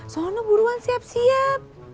soalnya buruan siap siap